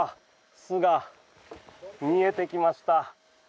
巣が見えてきました。